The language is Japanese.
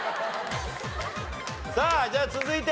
さあじゃあ続いて。